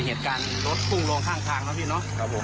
ก็เกิดเหตุการณ์รถปุ้งลงข้างแล้วพี่เนอะ